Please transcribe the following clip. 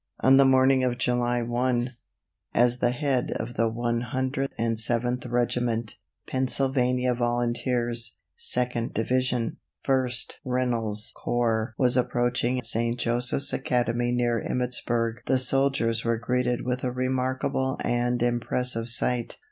On the morning of July 1, as the head of the One Hundred and Seventh Regiment, Pennsylvania Volunteers, Second Division, First (Reynolds) Corps was approaching St. Joseph's Academy near Emmittsburg the soldiers were greeted with a remarkable and impressive sight.